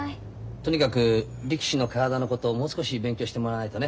とにかく力士の体のことをもう少し勉強してもらわないとね。